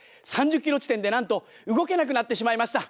３０キロ地点でなんと動けなくなってしまいました。